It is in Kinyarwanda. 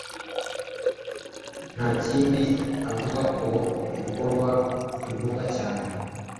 ntakindi avugakuko ibikorwa bivuga cyane